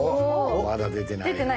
まだ出てないな。